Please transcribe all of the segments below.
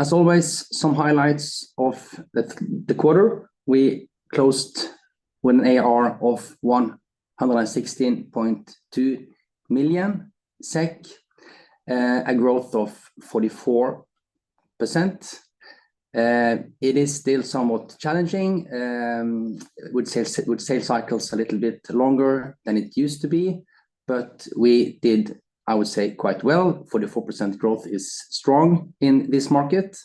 As always, some highlights of the quarter. We closed with an ARR of 116.2 million SEK, a growth of 44%. It is still somewhat challenging with sales, with sales cycles a little bit longer than it used to be, but we did, I would say, quite well. 44% growth is strong in this market,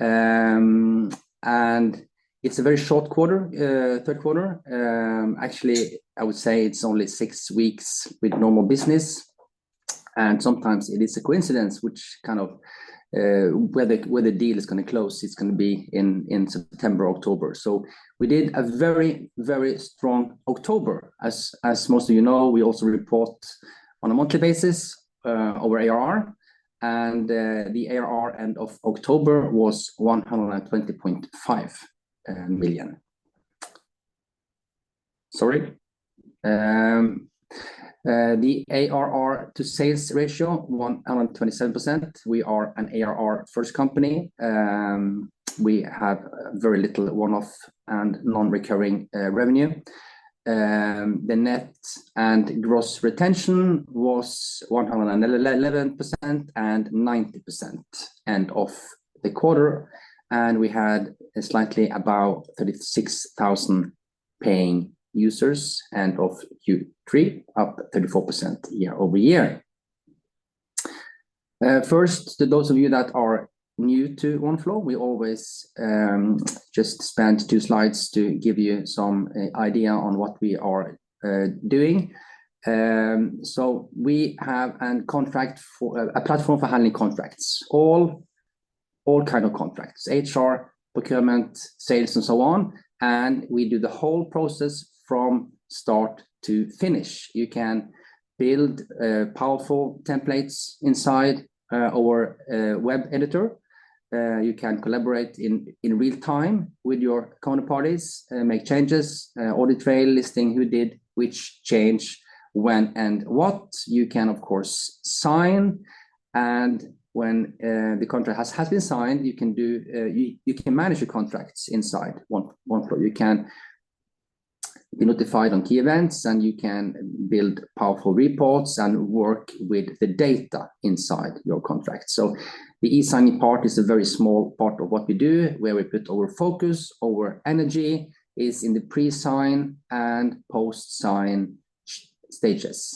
and it's a very short quarter, third quarter. Actually, I would say it's only six weeks with normal business, and sometimes it is a coincidence which kind of where the, where the deal is gonna close, it's gonna be in September, October. So we did a very, very strong October. As most of you know, we also report on a monthly basis our ARR, and the ARR end of October was 120.5 million. Sorry. The ARR to sales ratio, 127%. We are an ARR first company. We have very little one-off and non-recurring revenue. The net and gross retention was 111% and 90% end of the quarter, and we had slightly about 36,000 paying users end of Q3, up 34% year-over-year. First, to those of you that are new to Oneflow, we always just spend 2 slides to give you some idea on what we are doing. So we have an contract for, a platform for handling contracts, all kinds of contracts, HR, procurement, sales, and so on, and we do the whole process from start to finish. You can build powerful templates inside our web editor. You can collaborate in real time with your counterparties, make changes, audit trail listing who did which change, when, and what. You can, of course, sign, and when the contract has been signed, you can manage your contracts inside Oneflow. You can be notified on key events, and you can build powerful reports and work with the data inside your contract. So the e-signing part is a very small part of what we do. Where we put our focus, our energy, is in the pre-sign and post-sign stages.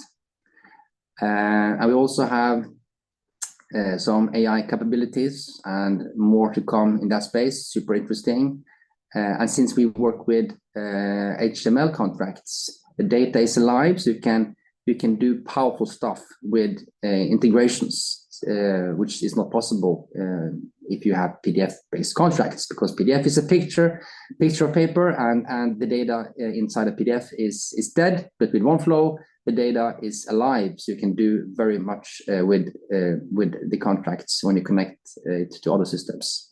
We also have some AI capabilities, and more to come in that space. Super interesting. Since we work with HTML contracts, the data is alive, so you can do powerful stuff with integrations, which is not possible if you have PDF-based contracts. Because PDF is a picture, picture of paper, and the data inside a PDF is dead, but with Oneflow, the data is alive, so you can do very much with the contracts when you connect to other systems.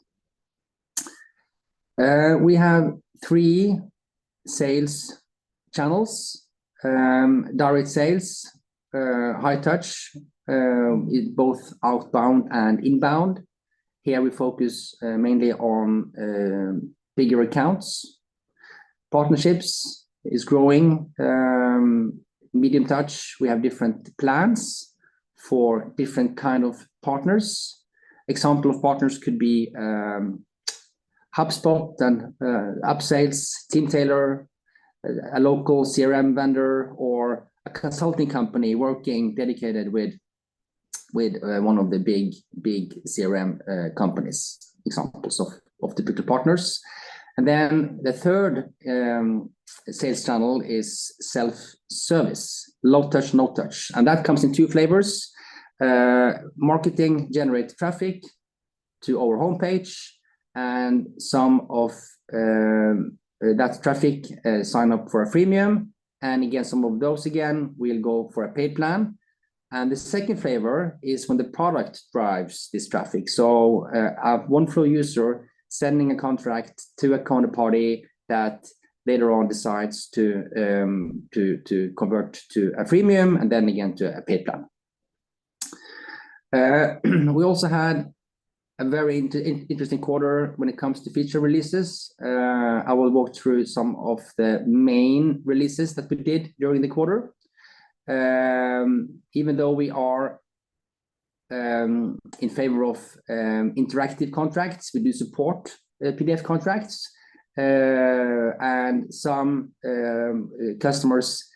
We have three sales channels. Direct sales, high touch, in both outbound and inbound. Here, we focus mainly on bigger accounts. Partnerships is growing. Medium touch, we have different plans for different kind of partners. Examples of partners could be HubSpot and Upsales, Teamtailor, a local CRM vendor, or a consulting company working dedicated with one of the big, big CRM companies, examples of the bigger partners, and then the third sales channel is self-service, low touch, no touch, and that comes in two flavors. Marketing-generated traffic to our homepage, and some of that traffic sign up for a freemium, and again, some of those again will go for a paid plan and the second flavor is when the product drives this traffic. So a Oneflow user sending a contract to a counterparty that later on decides to convert to a freemium and then again to a paid plan. We also had a very interesting quarter when it comes to feature releases. I will walk through some of the main releases that we did during the quarter. Even though we are in favor of interactive contracts, we do support PDF contracts, and some customers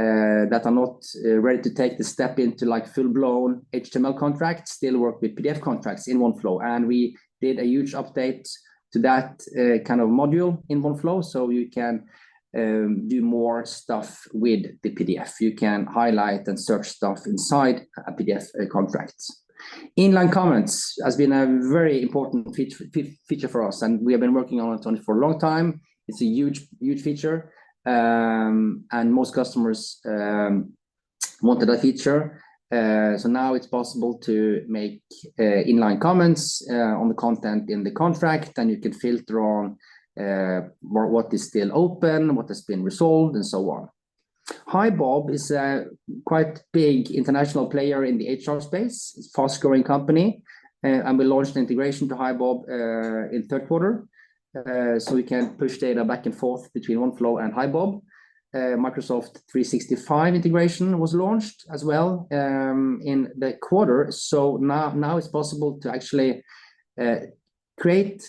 that are not ready to take the step into, like, full-blown HTML contracts still work with PDF contracts in Oneflow, and we did a huge update to that kind of module in Oneflow, so you can do more stuff with the PDF. You can highlight and search stuff inside a PDF contracts. Inline comments has been a very important feat- fe- feature for us, and we have been working on it for a long time. It's a huge, huge feature, and most customers wanted a feature. So now it's possible to make inline comments on the content in the contract, and you can filter on what is still open, what has been resolved, and so on. HiBob is a quite big international player in the HR space, it's a fast-growing company, and we launched integration to HiBob in third quarter. So we can push data back and forth between Oneflow and HiBob. Microsoft 365 integration was launched as well in the quarter. So now it's possible to actually create,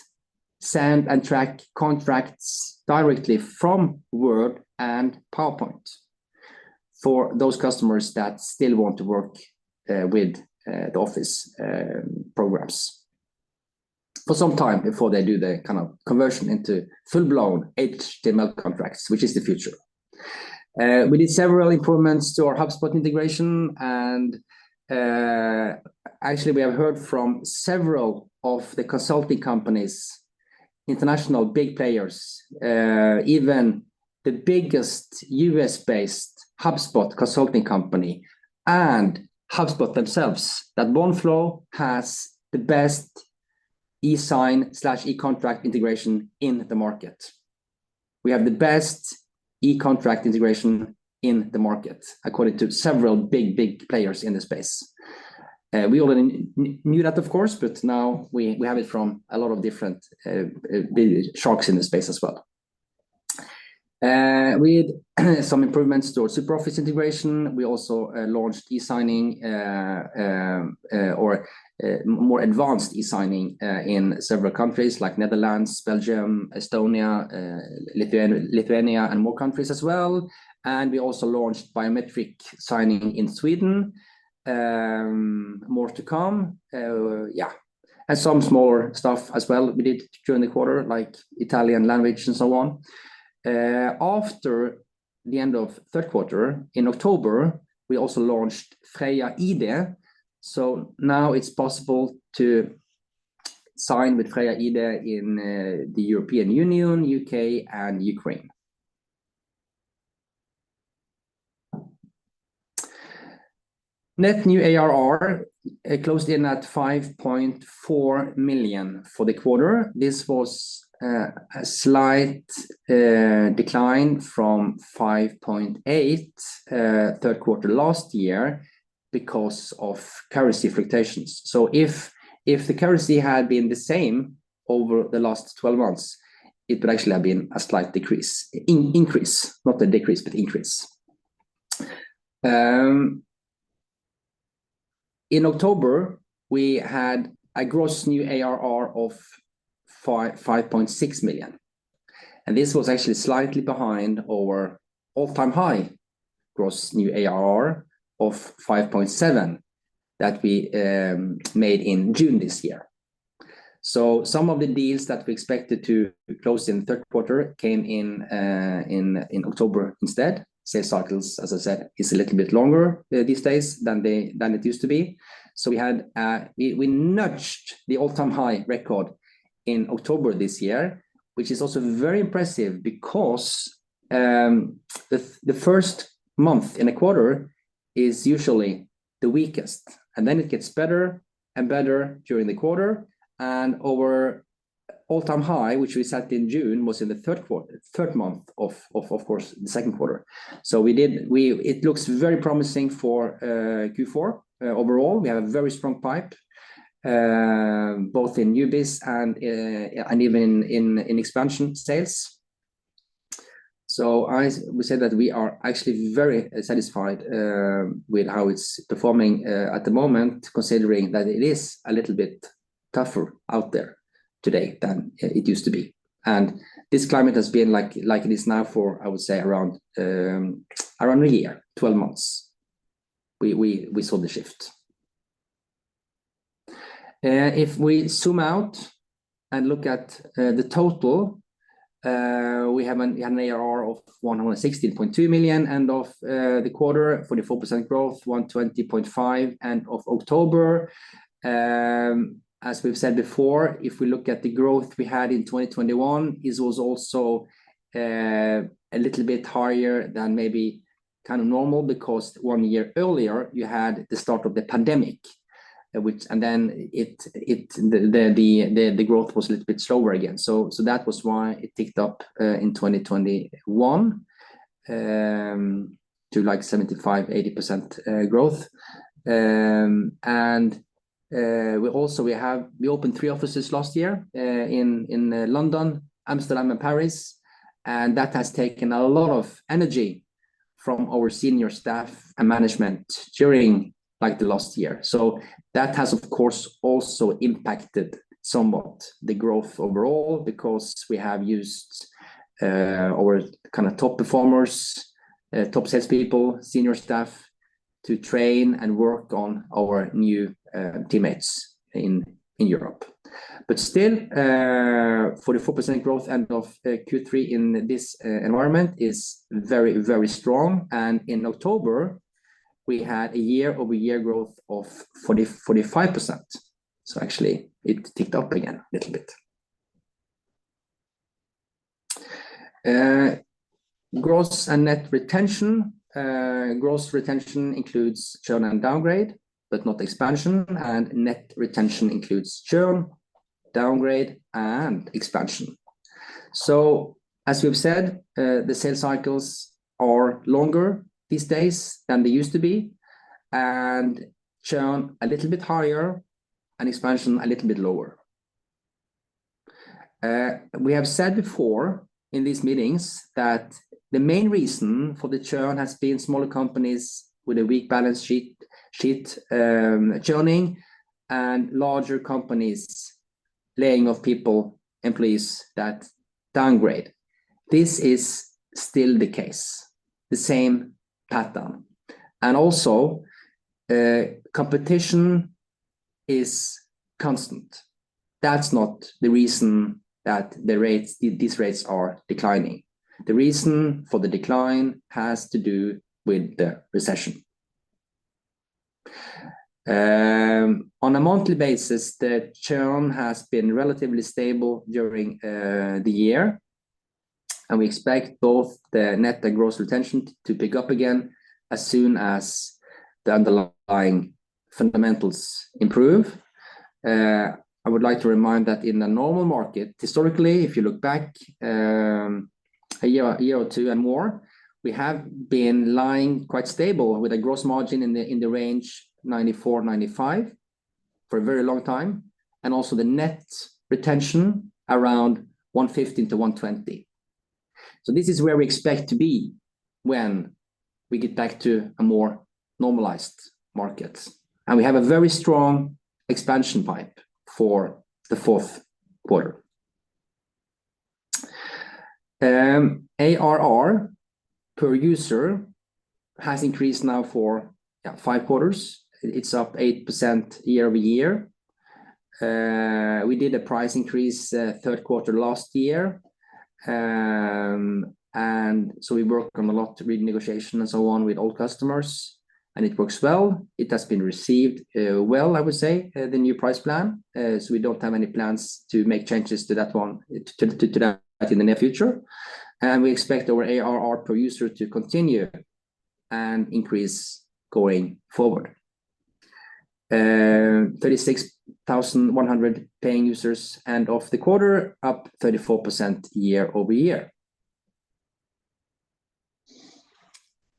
send, and track contracts directly from Word and PowerPoint for those customers that still want to work with the Office programs for some time before they do the kind of conversion into full-blown HTML contracts, which is the future. We did several improvements to our HubSpot integration, and actually, we have heard from several of the consulting companies, international big players, even the biggest U.S.-based HubSpot consulting company, and HubSpot themselves, that Oneflow has the best e-sign/e-contract integration in the market. We have the best e-contract integration in the market, according to several big, big players in the space. We already knew that, of course, but now we have it from a lot of different sharks in the space as well. We made some improvements to our SuperOffice integration. We also launched e-signing, or more advanced e-signing, in several countries, like Netherlands, Belgium, Estonia, Lithuania, and more countries as well. We also launched biometric signing in Sweden. More to come. Yeah, and some smaller stuff as well we did during the quarter, like Italian language and so on. After the end of third quarter, in October, we also launched Freja eID. So now it's possible to sign with Freja eID in the European Union, U.K., and Ukraine. Net new ARR closed in at 5.4 million for the quarter. This was a slight decline from 5.8 million third quarter last year because of currency fluctuations. So if the currency had been the same over the last 12 months, it would actually have been a slight increase, not a decrease, but increase. In October, we had a gross new ARR of 5.6 million, and this was actually slightly behind our all-time high gross new ARR of 5.7 million that we made in June this year. So some of the deals that we expected to close in the third quarter came in in October instead. Sales cycles, as I said, is a little bit longer these days than it used to be. So we nudged the all-time high record in October this year, which is also very impressive because the first month in a quarter is usually the weakest, and then it gets better and better during the quarter, and our all-time high, which we set in June, was in the third month of course the second quarter. So it looks very promising for Q4. Overall, we have a very strong pipe both in new biz and even in expansion sales. We say that we are actually very satisfied with how it's performing at the moment, considering that it is a little bit tougher out there today than it used to be. This climate has been like it is now for, I would say, around a year, 12 months, we saw the shift. If we zoom out and look at the total, we have an ARR of 160.2 million end of the quarter, 44% growth, 120.5 million end of October. As we've said before, if we look at the growth we had in 2021, it was also a little bit higher than maybe kind of normal because one year earlier, you had the start of the pandemic, which, then the growth was a little bit slower again. So that was why it ticked up in 2021 to, like, 75%-80% growth, and we also opened 3 offices last year in London, Amsterdam, and Paris, and that has taken a lot of energy from our senior staff and management during, like, the last year. So that has, of course, also impacted somewhat the growth overall because we have used our kind of top performers, top salespeople, senior staff, to train and work on our new teammates in Europe but still, 44% growth end of Q3 in this environment is very, very strong, and in October, we had a year-over-year growth of 40%-45%. So actually, it ticked up again a little bit. Gross and net retention. Gross retention includes churn and downgrade, but not expansion, and net retention includes churn, downgrade, and expansion. So as we've said, the sales cycles are longer these days than they used to be, and churn a little bit higher, and expansion a little bit lower. We have said before in these meetings that the main reason for the churn has been smaller companies with a weak balance sheet churning, and larger companies laying off people, employees, that downgrade. This is still the case, the same pattern, and also competition is constant. That's not the reason that the rates, these rates are declining. The reason for the decline has to do with the recession. On a monthly basis, the churn has been relatively stable during the year, and we expect both the net and gross retention to pick up again as soon as the underlying fundamentals improve. I would like to remind that in a normal market, historically, if you look back a year, a year or two and more, we have been lying quite stable with a gross margin in the range 94-95 for a very long time, and also the net retention around 115-120. This is where we expect to be when we get back to a more normalized market, and we have a very strong expansion pipe for the fourth quarter. ARR per user has increased now for, yeah, five quarters. It's up 8% year-over-year. We did a price increase third quarter last year and so we worked on a lot of renegotiation and so on with old customers, and it works well. It has been received well, I would say, the new price plan. So we don't have any plans to make changes to that one, to that in the near future, and we expect our ARR per user to continue and increase going forward. 36,100 paying users end of the quarter, up 34% year-over-year.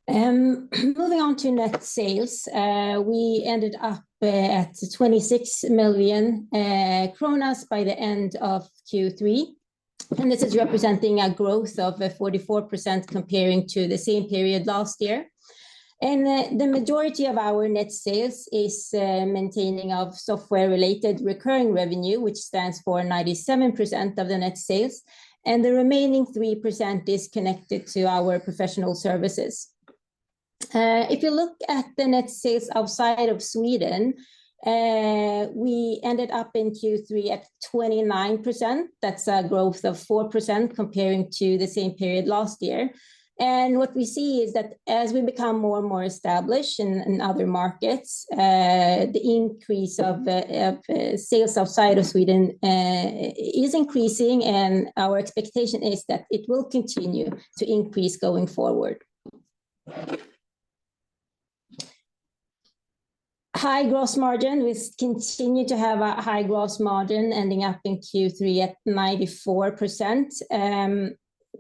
Moving on to net sales. We ended up at 26 million kronor by the end of Q3, and this is representing a growth of 44% comparing to the same period last year. The majority of our net sales is maintaining of software-related recurring revenue, which stands for 97% of the net sales, and the remaining 3% is connected to our professional services. If you look at the net sales outside of Sweden, we ended up in Q3 at 29%. That's a growth of 4% comparing to the same period last year. What we see is that as we become more and more established in other markets, the increase of sales outside of Sweden is increasing, and our expectation is that it will continue to increase going forward. High gross margin. We continue to have a high gross margin, ending up in Q3 at 94%.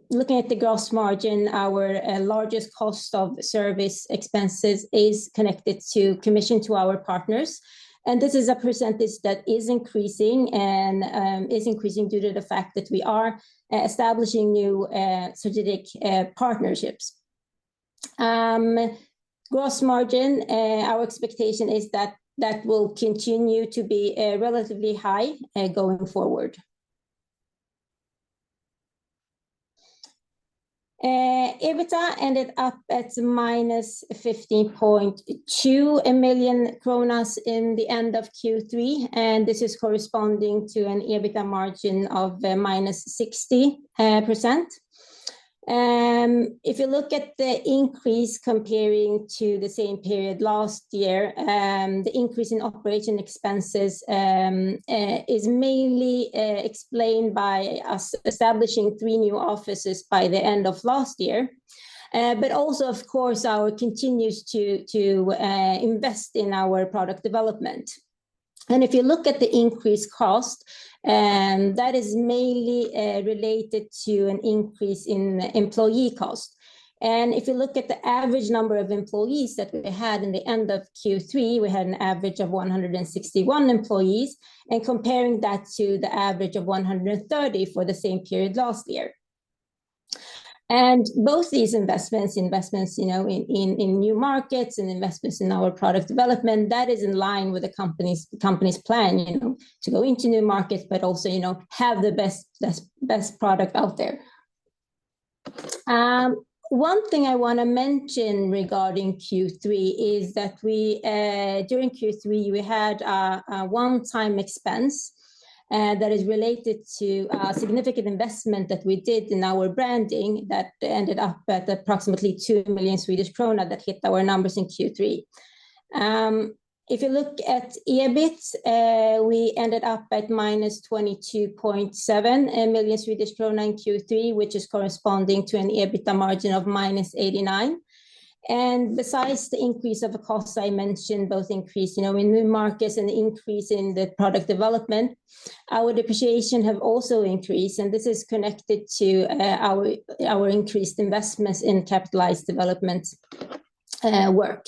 Looking at the gross margin, our largest cost of service expenses is connected to commission to our partners, and this is a percentage that is increasing, and is increasing due to the fact that we are establishing new strategic partnerships. Gross margin, our expectation is that that will continue to be relatively high going forward. EBITDA ended up at -15.2 million in the end of Q3, and this is corresponding to an EBITDA margin of -60%. If you look at the increase comparing to the same period last year, the increase in operating expenses is mainly explained by us establishing 3 new offices by the end of last year, but also, of course, our continues to invest in our product development. If you look at the increased cost, that is mainly related to an increase in employee cost. If you look at the average number of employees that we had in the end of Q3, we had an average of 161 employees, and comparing that to the average of 130 for the same period last year. Both these investments, you know, in new markets, and investments in our product development, that is in line with the company's plan, you know, to go into new markets, but also, you know, have the best product out there. One thing I wanna mention regarding Q3 is that we, during Q3, we had a one-time expense that is related to a significant investment that we did in our branding that ended up at approximately 2 million Swedish krona that hit our numbers in Q3. If you look at EBIT, we ended up at minus 22.7 million Swedish krona in Q3, which is corresponding to an EBITA margin of minus 89%. Besides the increase of the costs I mentioned, both increase, you know, in new markets and the increase in the product development, our depreciation have also increased, and this is connected to our increased investments in capitalized development work.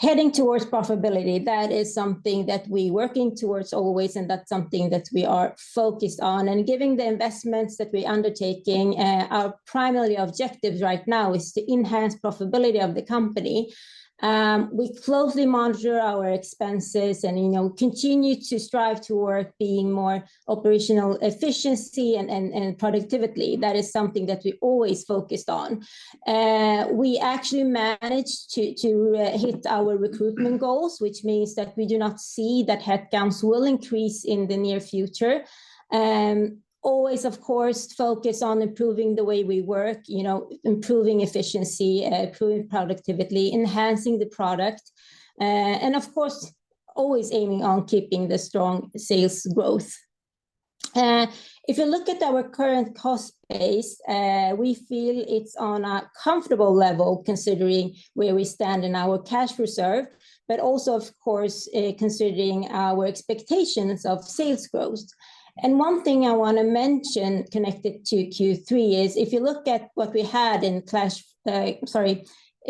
Heading towards profitability, that is something that we working towards always, and that's something that we are focused on and given the investments that we're undertaking, our primary objective right now is to enhance profitability of the company. We closely monitor our expenses and, you know, continue to strive toward being more operational efficiency and productively. That is something that we always focused on. We actually managed to hit our recruitment goals, which means that we do not see that headcounts will increase in the near future. Always, of course, focus on improving the way we work, you know, improving efficiency, improving productively, enhancing the product, and of course, always aiming on keeping the strong sales growth. If you look at our current cost base, we feel it's on a comfortable level, considering where we stand in our cash reserve, but also, of course, considering our expectations of sales growth. One thing I wanna mention connected to Q3 is if you look at what we had in cash, sorry,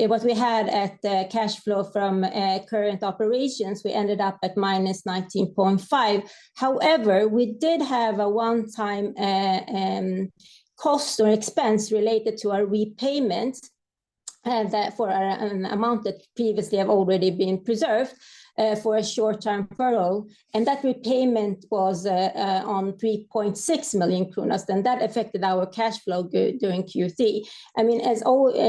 what we had at the cash flow from current operations, we ended up at -19.5. However, we did have a one-time cost or expense related to our repayments, that for an amount that previously have already been preserved for a short-term furlough, and that repayment was on 3.6 million kronor, and that affected our cash flow during Q3. I mean, as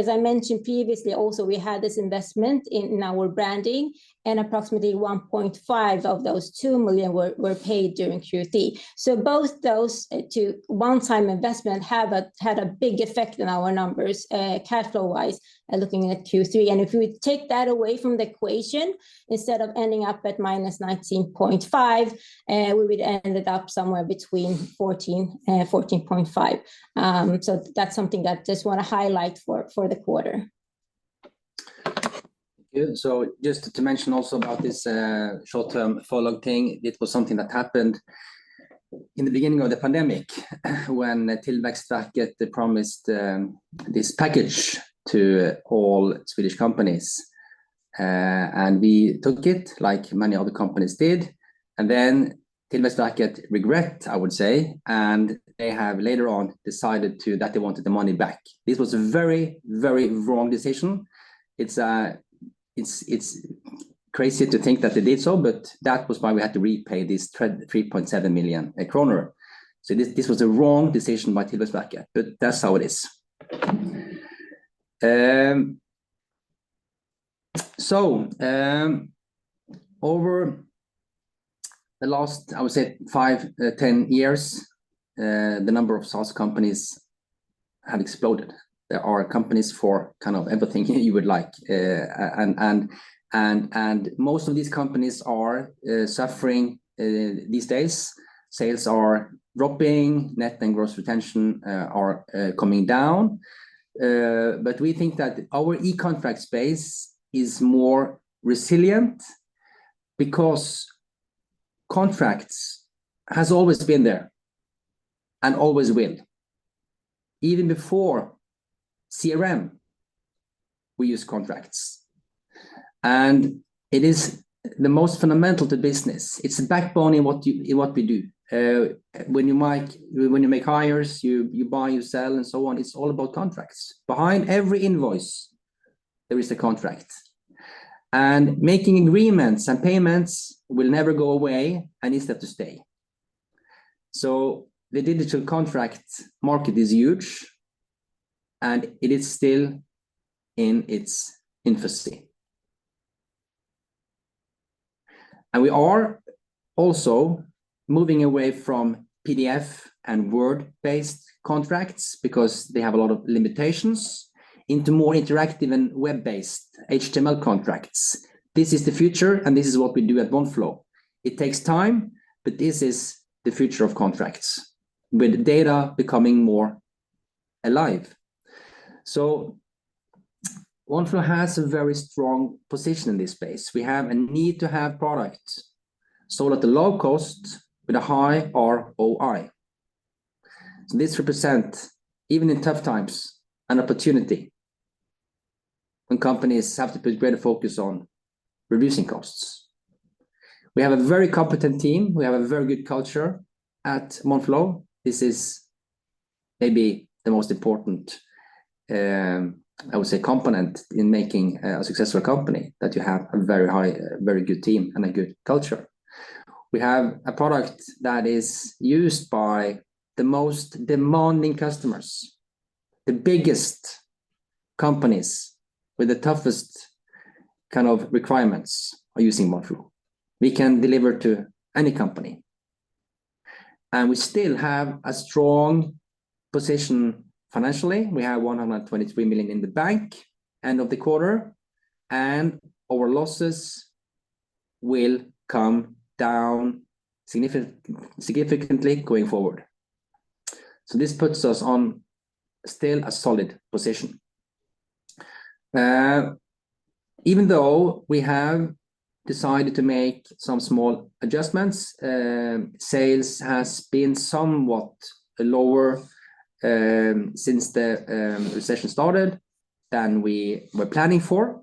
I mentioned previously also, we had this investment in our branding, and approximately 1.5 million of those 2 million were paid during Q3. So both those two one-time investment had a big effect on our numbers, cash flow-wise, looking at Q3 and if you would take that away from the equation, instead of ending up at -19.5 million, we would ended up somewhere between 14 million-14.5 million. So that's something that just wanna highlight for the quarter. Good. So just to mention also about this short-term furlough thing, it was something that happened in the beginning of the pandemic when Tillväxtverket promised this package to all Swedish companies and we took it, like many other companies did, and then Tillväxtverket regret, I would say, and they have later on decided that they wanted the money back. This was a very, very wrong decision. It's crazy to think that they did so, but that was why we had to repay this 3.7 million kronor. So this was a wrong decision by Tillväxtverket, but that's how it is. So, over the last, I would say, five, 10 years, the number of SaaS companies have exploded. There are companies for kind of everything you would like. Most of these companies are suffering these days. Sales are dropping, net and gross retention are coming down, but we think that our eContract space is more resilient, because contracts has always been there, and always will. Even before CRM, we use contracts, and it is the most fundamental to business. It's the backbone in what we do. When you make hires, you buy, you sell, and so on, it's all about contracts. Behind every invoice, there is a contract, and making agreements and payments will never go away, and it's there to stay. So the digital contract market is huge, and it is still in its infancy. We are also moving away from PDF and Word-based contracts, because they have a lot of limitations, into more interactive and web-based HTML contracts. This is the future, and this is what we do at Oneflow. It takes time, but this is the future of contracts, with data becoming more alive. Oneflow has a very strong position in this space. We have a need to have products sold at a low cost with a high ROI. This represent, even in tough times, an opportunity when companies have to put greater focus on reducing costs. We have a very competent team. We have a very good culture at Oneflow. This is maybe the most important, I would say, component in making, a successful company, that you have a very good team and a good culture. We have a product that is used by the most demanding customers. The biggest companies with the toughest kind of requirements are using Oneflow. We can deliver to any company, and we still have a strong position financially. We have 123 million in the bank end of the quarter, and our losses will come down significantly going forward. So this puts us on still a solid position. Even though we have decided to make some small adjustments, sales has been somewhat lower, since the recession started, than we were planning for.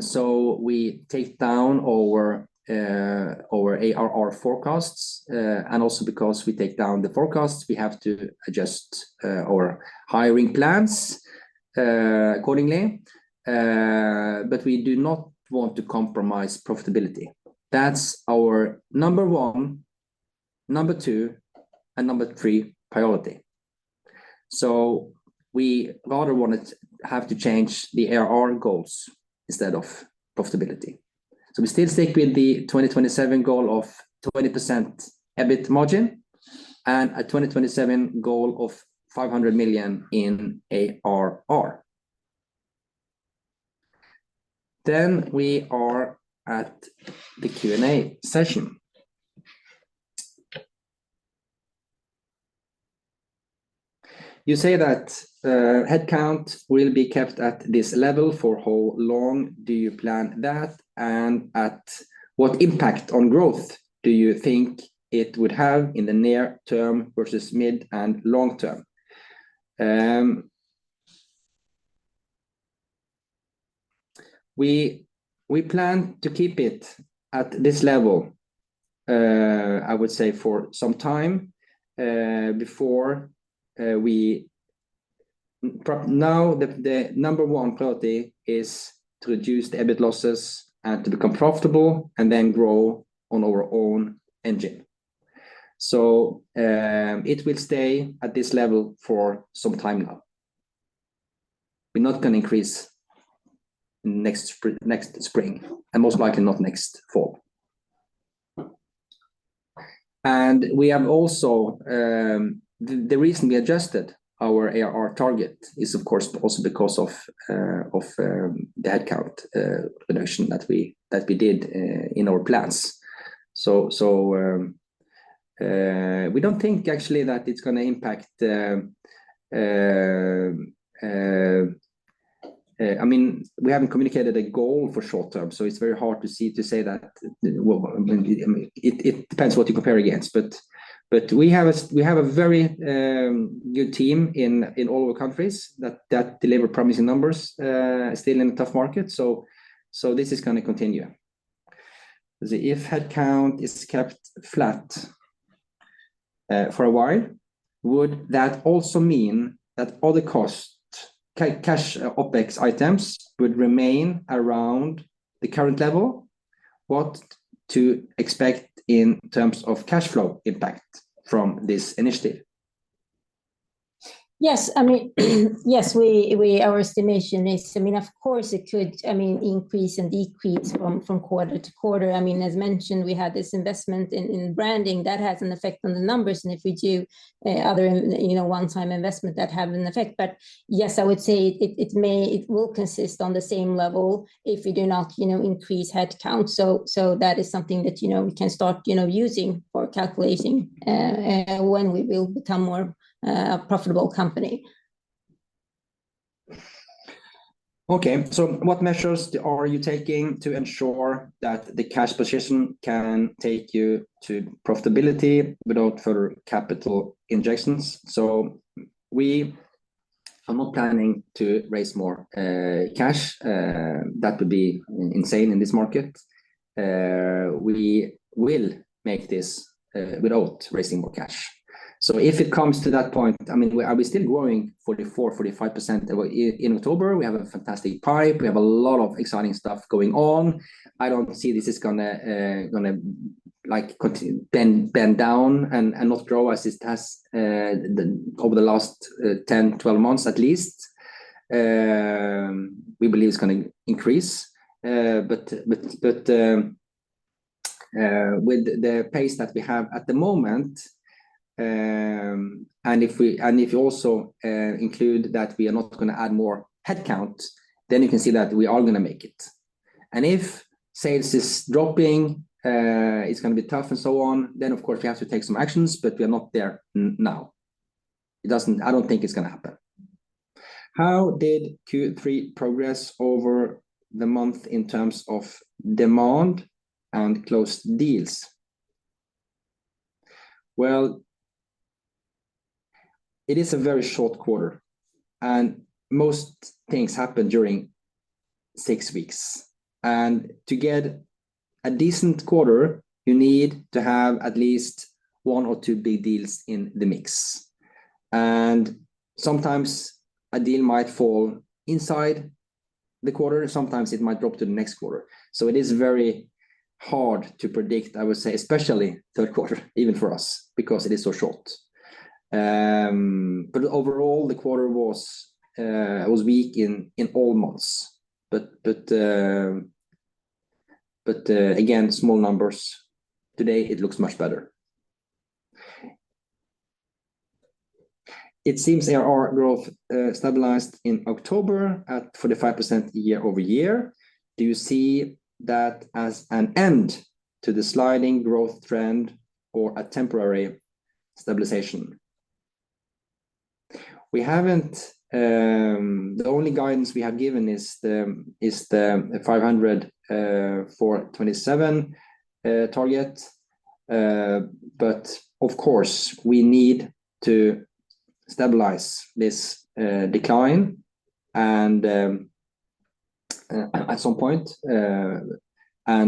So we take down our ARR forecasts and also because we take down the forecasts, we have to adjust our hiring plans accordingly but we do not want to compromise profitability. That's our number one, number two, and number three priority. So we rather wanted to have to change the ARR goals instead of profitability. So we still stick with the 2027 goal of 20% EBIT margin, and a 2027 goal of 500 million in ARR. Then we are at the Q&A session. You say that headcount will be kept at this level. For how long do you plan that and at what impact on growth do you think it would have in the near term versus mid and long term? We plan to keep it at this level. I would say for some time before we now. The number one priority is to reduce the EBIT losses and to become profitable, and then grow on our own engine. So it will stay at this level for some time now. We're not gonna increase next spring, and most likely not next fall and we have also, the reason we adjusted our ARR target is, of course, also because of the headcount reduction that we did in our plans. So we don't think actually that it's gonna impact, I mean, we haven't communicated a goal for short term, so it's very hard to say that, well, I mean, it depends what you compare against but we have a very good team in all of our countries that deliver promising numbers still in a tough market, so this is gonna continue. If headcount is kept flat, for a while, would that also mean that other costs, cash, OpEx items, would remain around the current level? What to expect in terms of cash flow impact from this initiative? Yes, I mean, yes, our estimation is, I mean, of course, it could, I mean, increase and decrease from quarter to quarter. I mean, as mentioned, we have this investment in branding. That has an effect on the numbers, and if we do other, you know, one-time investment, that have an effect but yes, I would say it may- it will consist on the same level if we do not, you know, increase headcount. So that is something that, you know, we can start using for calculating when we will become more profitable company. Okay, so what measures are you taking to ensure that the cash position can take you to profitability without further capital injections? So we are not planning to raise more cash. That would be insane in this market. We will make this without raising more cash. So if it comes to that point, I mean, I'll be still growing 44%-45% in October. We have a fantastic pipe. We have a lot of exciting stuff going on. I don't see this is gonna, like, continue bend down and not grow as it has over the last 10, 12 months, at least. We believe it's gonna increase, but with the pace that we have at the moment, and if you also include that we are not gonna add more headcount, then you can see that we are gonna make it and if sales is dropping, it's gonna be tough and so on, then, of course, we have to take some actions, but we are not there now. I don't think it's gonna happen. How did Q3 progress over the month, in terms of demand and closed deals? Well, it is a very short quarter, and most things happen during six weeks. To get a decent quarter, you need to have at least 1 or 2 big deals in the mix, and sometimes a deal might fall inside the quarter, and sometimes it might drop to the next quarter. So it is very hard to predict, I would say, especially third quarter, even for us, because it is so short but overall, the quarter was, it was weak in all months, but again small numbers. Today, it looks much better, it seems ARR growth stabilized in October at 45% year-over-year. Do you see that as an end to the sliding growth trend or a temporary stabilization? We haven't. The only guidance we have given is the 500 for 2027 target, but of course, we need to stabilize this decline, and at some point. I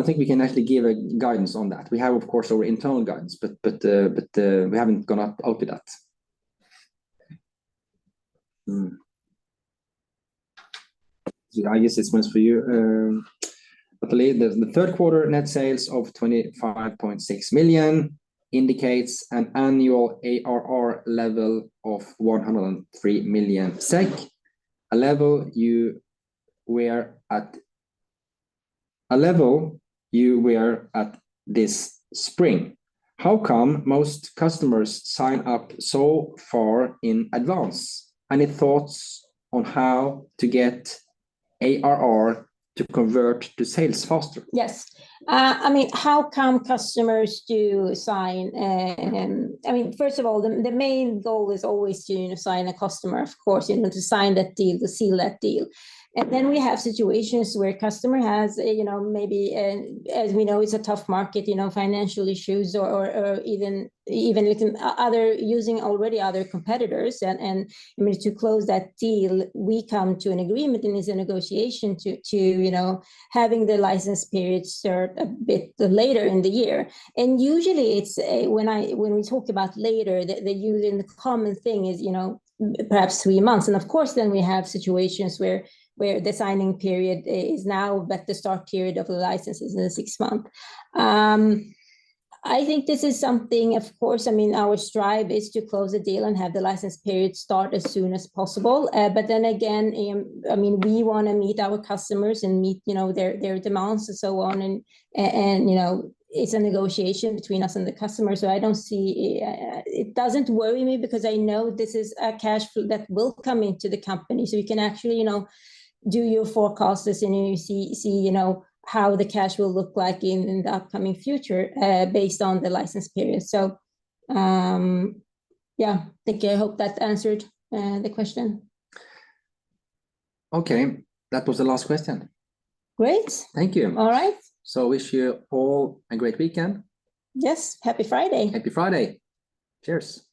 don't think we can actually give a guidance on that. We have, of course, our internal guidance, but we haven't gone out with that. So I guess this one's for you. I believe the third quarter net sales of 25.6 million indicates an annual ARR level of 103 million SEK, a level you were at this spring. How come most customers sign up so far in advance? Any thoughts on how to get ARR to convert to sales faster? Yes. I mean, how come customers do sign? I mean, first of all, the main goal is always to sign a customer, of course, you know, to sign that deal, to seal that deal, and then we have situations where a customer has a, you know, maybe, as we know, it's a tough market, you know, financial issues or, or, even with using already other competitors, and I mean, to close that deal, we come to an agreement and there's a negotiation to, you know, having the license period start a bit later in the year and usually it's when we talk about later, the usual and the common thing is, you know, perhaps three months and of course, then we have situations where the signing period is now, but the start period of the license is in a six month. I think this is something, of course, I mean, our strive is to close the deal and have the license period start as soon as possible but then again, I mean, we wanna meet our customers and meet, you know, their demands and so on and, you know, it's a negotiation between us and the customer, so I don't see, it doesn't worry me, because I know this is cash flow that will come into the company. So we can actually, you know, do your forecasts and you see, you know, how the cash will look like in the upcoming future, based on the license period. So, yeah, thank you. I hope that answered the question. Okay, that was the last question. Great. Thank you. All right. So, wish you all a great weekend. Yes, happy Friday. Happy Friday. Cheers!